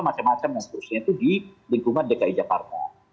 macam macam dan seterusnya itu di lingkungan dki jakarta